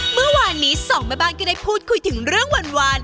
เมื่อวานนี้สองแม่บ้านก็ได้พูดคุยถึงเรื่องหวาน